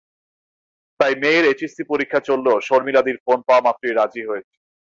তাই মেয়ের এইচএসসি পরীক্ষা চললেও শর্মিলাদির ফোন পাওয়া মাত্রই রাজি হয়েছি।